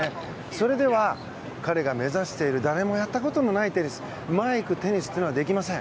それでは、彼が目指している誰もやったことのないテニス前に行くテニスはできません。